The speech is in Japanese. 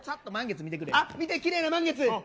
あっ、見て、きれいな満月。